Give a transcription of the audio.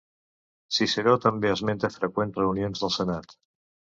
Ciceró també esmenta freqüents reunions del senat.